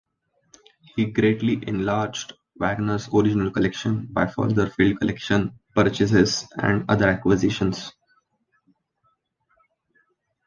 He greatly enlarged Wagner's original collection by further field collection, purchases and other acquisitions.